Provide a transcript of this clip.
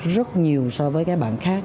rất nhiều so với các bạn khác